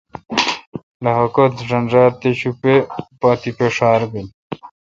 لخہ کتہ ݫنݫار تے شوپے تے ڄھار بیل۔